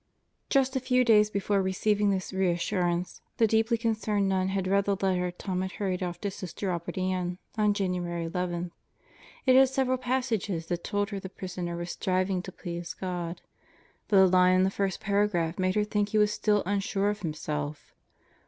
... Just a few days before receiving this reassurance, the deeply concerned nun had read the letter Tom had hurried off to Sister Robert Ann on January 11. ... It had several passages that told her the prisoner was striving to please God; but a line in the first paragraph made her think he was still unsure of himself.